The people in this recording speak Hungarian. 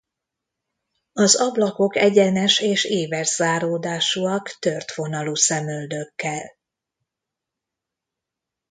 Az ablakok egyenes és íves záródásúak tört vonalú szemöldökkel.